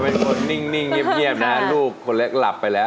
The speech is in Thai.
เป็นคนนิ่งเงียบนะลูกคนเล็กหลับไปแล้ว